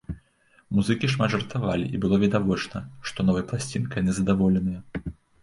Музыкі шмат жартавалі і было відавочна, што новай пласцінкай яны задаволеныя.